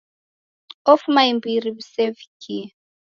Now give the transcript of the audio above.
Ofuma imbiri w'isevikie.